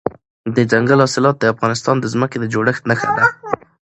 دځنګل حاصلات د افغانستان د ځمکې د جوړښت نښه ده.